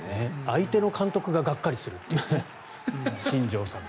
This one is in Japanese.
相手の監督ががっかりするという新庄さん。